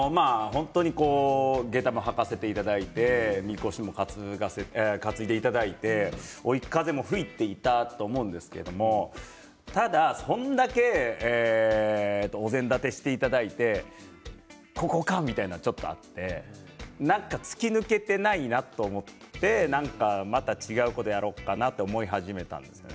げたも、はかせていただいて、みこしも担いでいただいて追い風も吹いていたと思うんですけれどただそんだけお膳立てをしていただいてここかみたいなのがちょっとあって何か突き抜けてないなと思ってまた違うことやりたいなと思い始めたんですね。